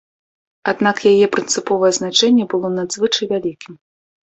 Аднак яе прынцыповае значэнне было надзвычай вялікім.